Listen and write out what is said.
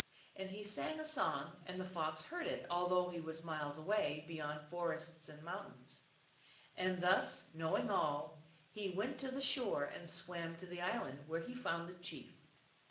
And he sang a song, and the Fox heard it, although he was miles away, beyond forests and moun tains. And thus knowing all, he went to the shore and swam to the island, where he found the chief.